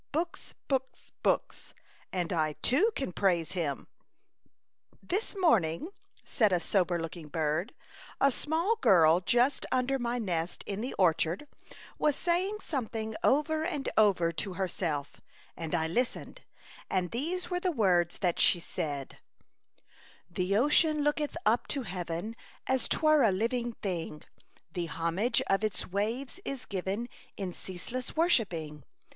" Books, books, books. And I too can praise Him." «" This morning," said a sober look ing bird, a snlall girl just under my nest in the orchard, was saying some thing over and over to herself, and I A Chautauqua Idyl. 71 listened ; and these were the words that she said: The ocean looketh up to heaven as *twere a living thing, The homage of its waves is given in ceaseless wor shipping.